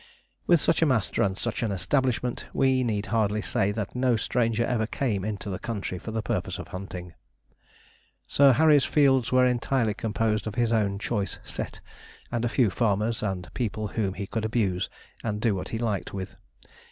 With such a master and such an establishment, we need hardly say that no stranger ever came into the country for the purpose of hunting. Sir Harry's fields were entirely composed of his own choice 'set,' and a few farmers, and people whom he could abuse and do what he liked with.